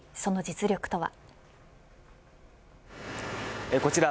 その実力とは。